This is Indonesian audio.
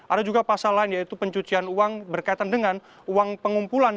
ada juga pasal lain yaitu pencucian uang berkaitan dengan uang pengumpulan